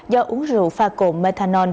do uống rượu pha cồn methanol